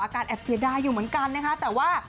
แอบเสียดายอยู่เหมือนกันนะคะแต่ว่า